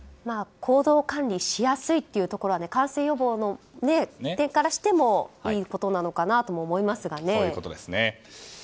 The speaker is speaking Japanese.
行動管理しやすいというところは感染予防の点からしてもいいことなのかなと思いますね。